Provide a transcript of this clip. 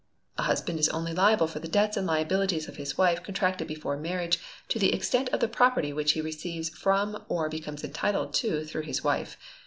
A husband is only liable for the debts and liabilities of his wife contracted before marriage to the extent of the property which he receives from, or becomes entitled to through his wife.